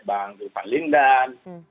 bang irfan lindan